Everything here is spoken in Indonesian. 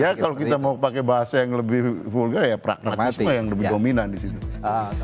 ya kalau kita mau pakai bahasa yang lebih vulgar ya prakteknya yang lebih dominan di situ